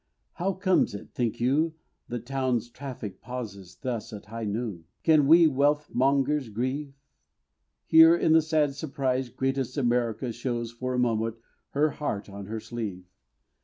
How comes it, think you, the town's traffic pauses Thus at high noon? Can we wealthmongers grieve? Here in the sad surprise greatest America Shows for a moment her heart on her sleeve.